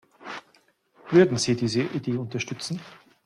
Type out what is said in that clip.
Würden Sie diese Idee unterstützen?